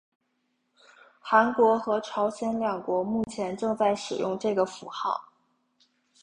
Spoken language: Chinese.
韩国和朝鲜两国目前正在使用这个符号。